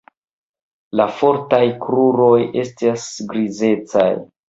La fortaj kruroj estas grizecaj.